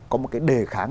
có một cái đề kháng